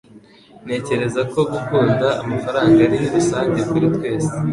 Ntekereza ko gukunda amafaranga ari rusange kuri twese.